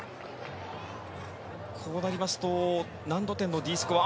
こうなりますと難度点のＤスコア。